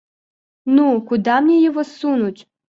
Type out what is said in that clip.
Ну, куда мне его сунуть?